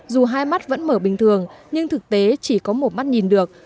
dù hai mắt vẫn mở bình thường nhưng thực tế chỉ có một mắt nhìn được